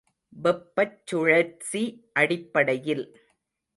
வெப்பச் சுழற்சி அடிப்படையில்.